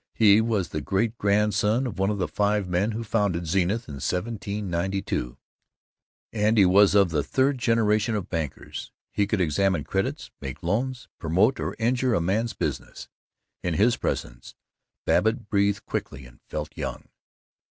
He was the great grandson of one of the five men who founded Zenith, in 1792, and he was of the third generation of bankers. He could examine credits, make loans, promote or injure a man's business. In his presence Babbitt breathed quickly and felt young.